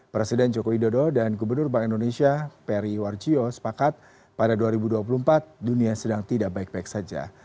presiden joko widodo dan gubernur bank indonesia peri warjio sepakat pada dua ribu dua puluh empat dunia sedang tidak baik baik saja